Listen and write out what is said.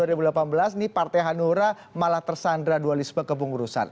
ini partai hanura malah tersandra dualisme ke pengurusan